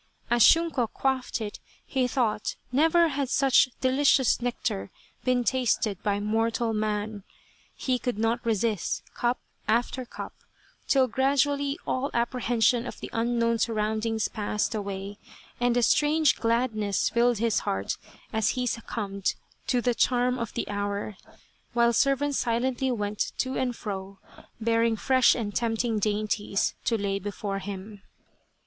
As Shunko quaffed it, he thought never had such delicious nectar been tasted by mortal man. He could not resist cup after cup, till gradually all apprehen sion of the unknown surroundings passed away, and a 247 A Cherry Flower Idyll strange gladness filled his heart as he succumbed to the charm of the hour, while servants silently went to and fro bearing fresh and tempting dainties to lay before him.